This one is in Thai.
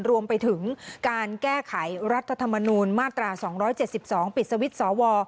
รวมไปถึงการแก้ไขรัฐธรรมนูญมาตรา๒๗๒ปิดสวิตช์สว